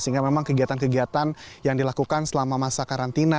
sehingga memang kegiatan kegiatan yang dilakukan selama masa karantina